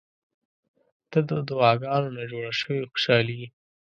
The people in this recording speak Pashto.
• ته د دعاګانو نه جوړه شوې خوشالي یې.